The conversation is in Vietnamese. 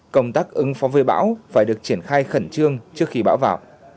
công tác ứng phóng vơi bão phải được triển khai khẩn trương trước khi bão vào